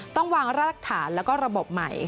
ต้องวางรากฐานแล้วก็ระบบใหม่